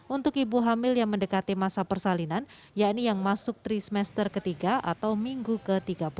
untuk ibu hamil yang mendekati masa persalinan yaitu yang masuk trimester ketiga atau minggu ke tiga puluh tujuh